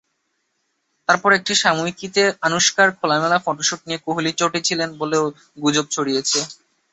তারপর একটি সাময়িকীতে আনুশকার খোলামেলা ফটোশট নিয়ে কোহলি চটেছিলেন বলেও গুজব ছড়িয়েছে।